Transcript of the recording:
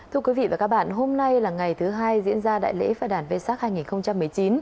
thưa quý vị và các bạn hôm nay là ngày thứ hai diễn ra đại lễ phật đàn vê sắc hai nghìn một mươi chín